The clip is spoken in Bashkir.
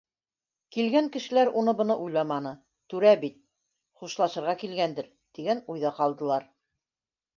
Килгән кешеләр уны-быны уйламаны, түрә бит, хушлашырға килгәндер, тигән уйҙа ҡалдылар.